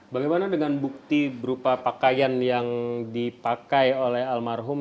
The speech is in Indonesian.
bagaimana dengan bukti berupa pakaian yang dipakai oleh almarhum